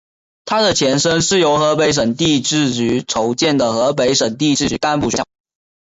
他的前身是由河北省地质局筹建的河北省地质局干部学校。